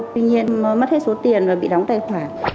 tuy nhiên mất hết số tiền và bị đóng tài khoản